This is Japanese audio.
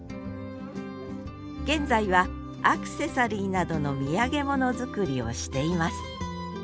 現在はアクセサリーなどの土産物作りをしています